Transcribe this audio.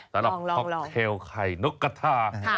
สำหรับค็อกเทลไข่นกกระทา